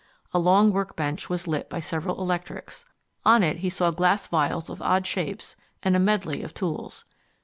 A long work bench was lit by several electrics. On it he saw glass vials of odd shapes, and a medley of tools.